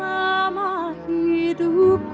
tanahku tak ku lupa ke